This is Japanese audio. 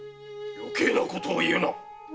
よけいなことを言うな！